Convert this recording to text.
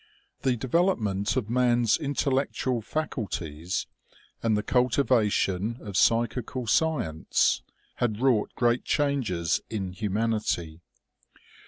The development of man's intellectual faculties, and the cultivation of psychical science, had wrought great changes in humanity.